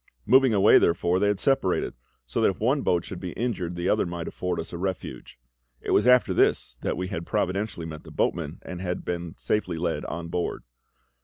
Moving away, therefore, they had separated, so that if one boat should be injured the other might afford us a refuge. It was after this that we had providentially met the boatman, and had been safely led on board.